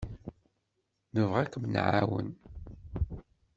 Nebɣa ad kem-nɛawen.